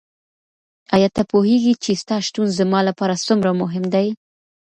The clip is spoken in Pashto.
ایا ته پوهېږې چې ستا شتون زما لپاره څومره مهم دی؟